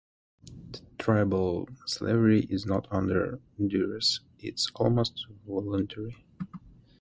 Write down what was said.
Tribal slavery is not under duress, it's almost voluntary.